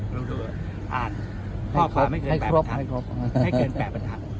เพราะว่าอ่านข้อความให้เกิน๘บรรทัด